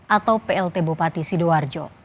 atau plt bupati sidoarjo